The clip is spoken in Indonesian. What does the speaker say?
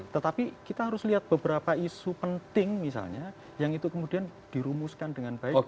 tetapi kita harus lihat beberapa isu penting misalnya yang itu kemudian dirumuskan dengan baik